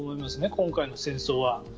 今回の戦争は。